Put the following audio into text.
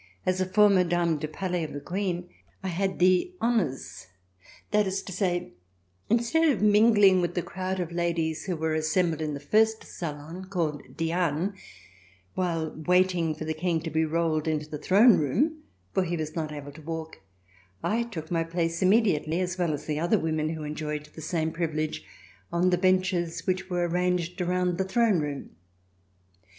As a former Dame du Palais of the Queen, I had the honors," that is to say, instead of mingling with the crowd of ladies who were assembled in the first salon, called '* Diane," while waiting for the King to be rolled into the Throne Room, for he was not able to walk, I took my place immediately, as well as the other women who enjoyed the same privilege, on the benches which were ar C 397 ] RECOLLECTIONS OF THE REVOLUTION ranged around the Throne Room.